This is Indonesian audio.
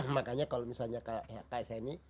makanya kalau misalnya kak eseni